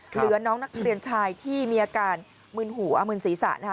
เหลือน้องนักเรียนชายที่มีอาการมึนหูมึนศีรษะ